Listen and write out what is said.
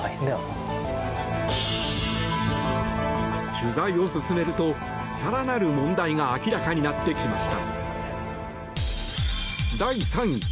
取材を進めると、更なる問題が明らかになってきました。